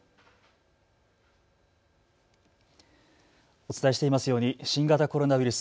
お伝えしていますように新型コロナウイルス。